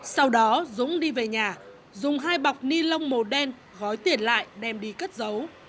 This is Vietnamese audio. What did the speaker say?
sau đó dũng đi về nhà dùng hai bọc ni lông màu đen gói tiền lại đem đi cất giấu